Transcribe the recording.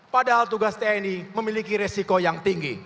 padahal tugas tni memiliki resiko yang tinggi